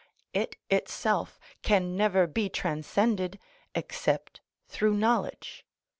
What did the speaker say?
It itself can never be transcended except through knowledge.